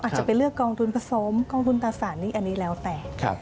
อาจจะไปเลือกกองทุนผสมกองทุนตราสารนี้อันนี้แล้วแต่